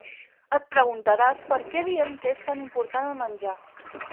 Et preguntaràs per què diem que és tan important el menjar.